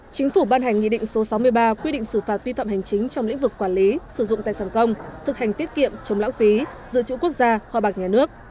chính phủ ban hành nghị định số sáu mươi ba quy định xử phạt vi phạm hành chính trong lĩnh vực quản lý sử dụng tài sản công thực hành tiết kiệm chống lão phí dự trữ quốc gia kho bạc nhà nước